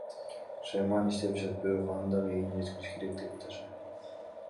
Шайман иштеп жатат, бирок аны дагы ийине жеткириш керек, дейт Даша.